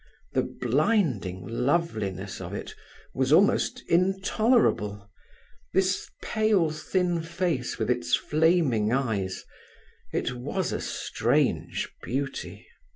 The blinding loveliness of it was almost intolerable, this pale thin face with its flaming eyes; it was a strange beauty.